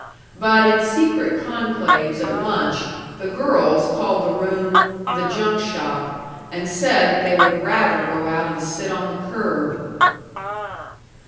But in secret conclaves at lunch the girls called the room "the junk shop," and said that they would rather go out and sit on the curb.